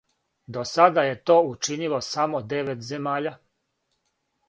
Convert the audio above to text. До сада је то учинило само девет земаља.